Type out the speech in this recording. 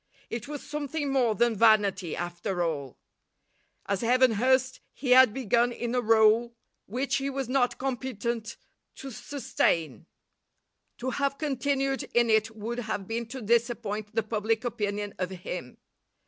It was something more than vanity after all. As Evan Hurst he had begun in a rôle which he was not competent to sustain; to have continued in it would have been to disappoint the public opinion of him.